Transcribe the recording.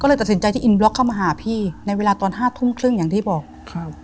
เลยตัดสินใจที่อินบล็อกเข้ามาหาพี่ในเวลาตอนห้าทุ่มครึ่งอย่างที่บอกครับ